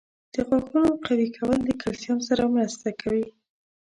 • د غاښونو قوي کول د کلسیم سره مرسته کوي.